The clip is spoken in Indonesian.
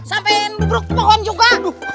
sampai buruk pohon juga